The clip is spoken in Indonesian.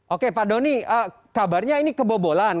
oke pak doni kabarnya ini kebobolan